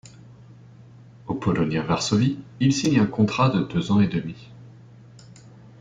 Au Polonia Varsovie, il signe un contrat de deux ans et demi.